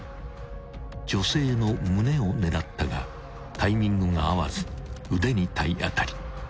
［女性の胸を狙ったがタイミングが合わず腕に体当たり］